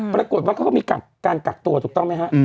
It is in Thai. ปรากฏว่าเขาก็มีการกักตัวถูกต้องไหมฮะ